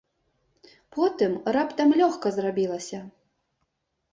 Потым раптам лёгка зрабілася.